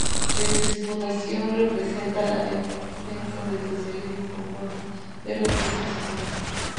Desde su fundación, representa la defensa del socialismo como forma de organización social.